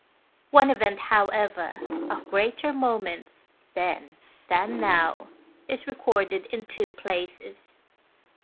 One event, however, of greater moment then than now, is recorded in two places.